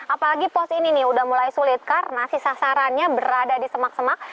apalagi pos ini nih udah mulai sulit karena si sasarannya berada di semak semak